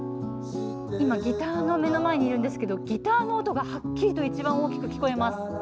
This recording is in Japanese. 今、ギターの目の前にいるんですけどギターの音がはっきりといちばん大きく聞こえます。